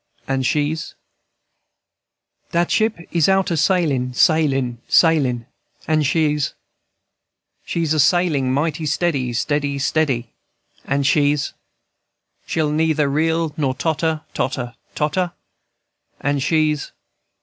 _ And she's, &c. "Dat ship is out a sailin', sailin', sailin', And she's, &c. She's a sailin' mighty steady, steady, steady, And she's, &c. She'll neither reel nor totter, totter, totter, And she's, &c.